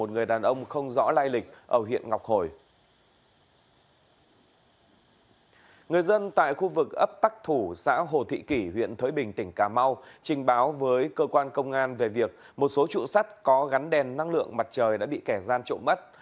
người dân tại khu vực ấp tắc thủ xã hồ thị kỷ huyện thới bình tỉnh cà mau trình báo với cơ quan công an về việc một số trụ sắt có gắn đèn năng lượng mặt trời đã bị kẻ gian trộm mất